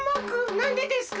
なんでですか？